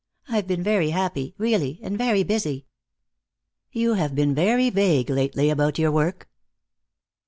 I've been very happy, really, and very busy." "You have been very vague lately about your work."